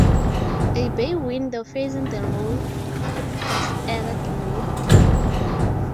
A bay window facing the road was added later.